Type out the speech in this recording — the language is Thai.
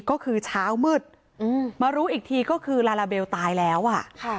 ก็คือเช้ามืดมารู้อีกทีก็คือลาลาเบลตายแล้วอ่ะค่ะ